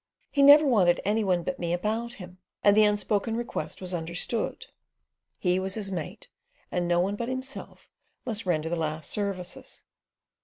"He never wanted any one but me about him," and the unspoken request was understood. He was his mate, and no one but himself must render the last services.